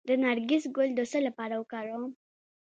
د نرګس ګل د څه لپاره وکاروم؟